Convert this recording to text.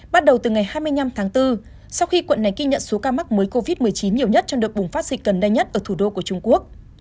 bắt đầu từ ngày hai mươi năm tháng bốn sau khi quận này ghi nhận số ca mắc mới covid một mươi chín nhiều nhất trong đợt bùng phát dịch gần đây nhất ở thủ đô của trung quốc